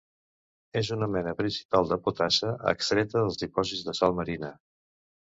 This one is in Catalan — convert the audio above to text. És una mena principal de potassa, extreta dels dipòsits de sal marina.